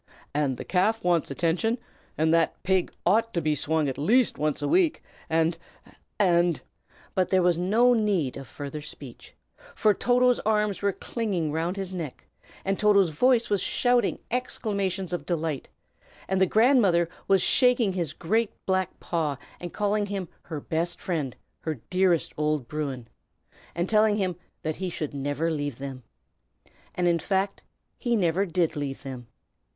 And the calf wants attention, and that pig ought to be swung at least once a week, and and " But there was no need of further speech, for Toto's arms were clinging round his neck, and Toto's voice was shouting exclamations of delight; and the grandmother was shaking his great black paw, and calling him her best friend, her dearest old Bruin, and telling him that he should never leave them. And, in fact, he never did leave them.